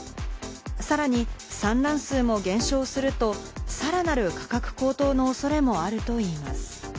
さらに産卵数も減少すると、さらなる価格高騰の恐れもあるといいます。